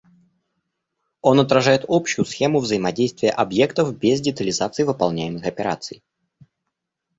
Он отражает общую схему взаимодействия объектов без детализации выполняемых операций